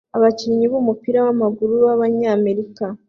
Abakinnyi b'umupira wamaguru b'Abanyamerika